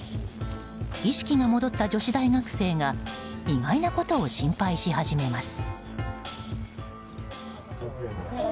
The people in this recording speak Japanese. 意識が戻った女子大学生が意外なことを心配し始めました。